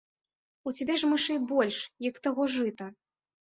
У цябе ж мышэй больш, як таго жыта.